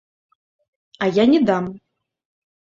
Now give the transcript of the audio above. А я не дам!